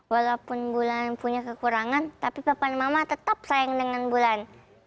walaupun bulan punya kekurangan tapi papan mama tetap sayang dengan bulan